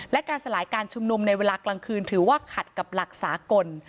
และการสลายการชุมนุมในเวลากลางคืนถือว่าขัดกับหลักสากล